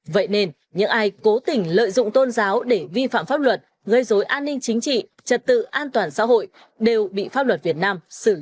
vậy nên những ai cố tình lợi dụng tôn giáo để vi phạm pháp luật gây dối an ninh chính trị trật tự an toàn xã hội đều bị pháp luật việt nam xử lý nghiêm